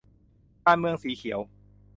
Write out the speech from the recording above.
การเมืองสีเขียว'